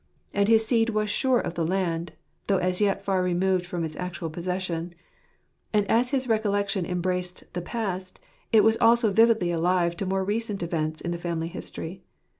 — and 149 (Ephraim anh ^lanaasrh. his seed was sure of the land, though as yet far removed from its actual possession. And as his recollection embraced the past, it was also vividly alive to more recent incidents in the family history.